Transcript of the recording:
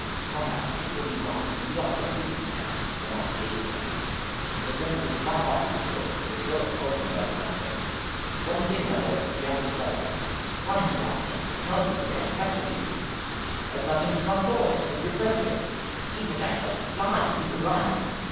"Comrade, keep what you've got, and be off as quick as you can. You are not safe here." The Prince was flying off as he spoke, but Philip held him by the mantle. "One thing, my Lord, we have to settle " "Run! watchman! I tell you. They're in search of you." "I have nothing to run for. But your purse, here " "Keep it, I tell you. Fly! if you can run."